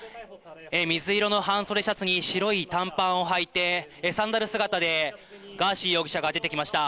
水色の半袖シャツに、白い短パンをはいて、サンダル姿で、ガーシー容疑者が出てきました。